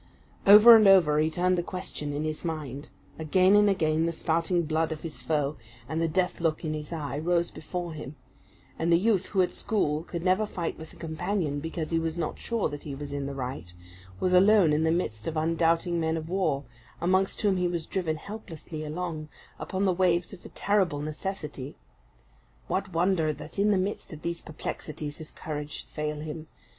Over and over he turned the question in his mind; again and again the spouting blood of his foe, and the death look in his eye, rose before him; and the youth who at school could never fight with a companion because he was not sure that he was in the right, was alone in the midst of undoubting men of war, amongst whom he was driven helplessly along, upon the waves of a terrible necessity. What wonder that in the midst of these perplexities his courage should fail him!